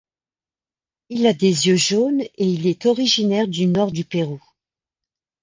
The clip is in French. Il a des yeux jaunes et il est originaire du nord du Pérou.